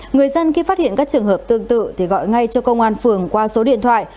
người dân khi phát hiện các trường hợp tương tự thì gọi ngay cho công an phường qua số điện thoại